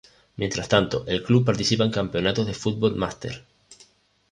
Mientras tanto, el club participa en campeonatos de fútbol master.